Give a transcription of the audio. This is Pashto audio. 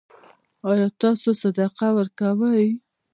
ایا تاسو صدقه ورکوئ؟